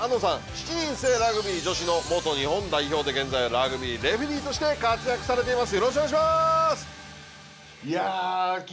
７人制ラグビー女子の元日本代表で現在、ラグビーレフリーとして活躍されています。